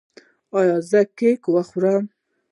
ایا زه کیک وخورم؟